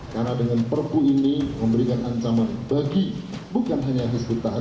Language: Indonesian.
karena dengan perpu ini memberikan ancaman bagi bukan hanya hizbut tahrir